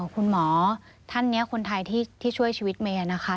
คุณหมอไทยที่ช่วยชีวิตเมนะคะ